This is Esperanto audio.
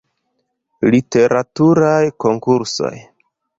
Literaturaj konkursoj.